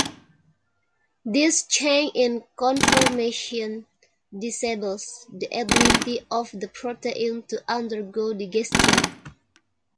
This change in conformation disables the ability of the protein to undergo digestion.